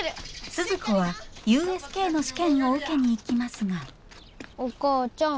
鈴子はＵＳＫの試験を受けに行きますがお母ちゃん。